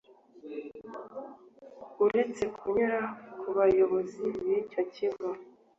uretse kunyura kubayobozi b'icyo kigo